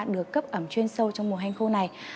được cấp ẩm chuyên sâu trong mùa hanh khô này